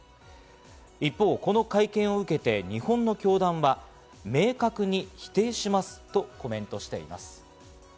一方、この会見を受けて、日本の教団は明確に否定しますとコメントしています。